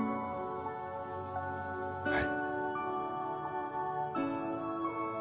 はい。